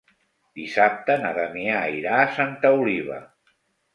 Dissabte na Damià irà a Santa Oliva.